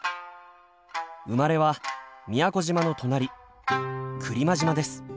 生まれは宮古島の隣来間島です。